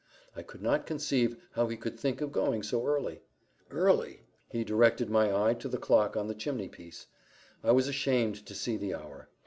I could not conceive how he could think of going so early. "Early!" He directed my eye to the clock on the chimneypiece. I was ashamed to see the hour.